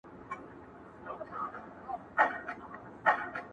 د افغانستان پر ولایتونو ګرځېدی